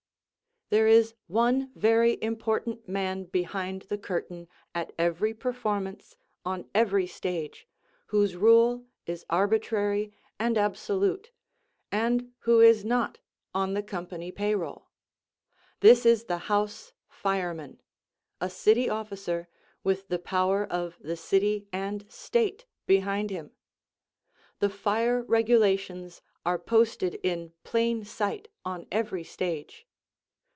There is one very important man behind the curtain at every performance on every stage, whose rule is arbitrary and absolute, and who is not on the company payroll. This is the house fireman, a city officer, with the power of the city and state behind him. The fire regulations are posted in plain sight on every stage.